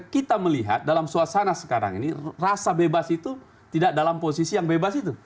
kita melihat dalam suasana sekarang ini rasa bebas itu tidak dalam posisi yang bebas itu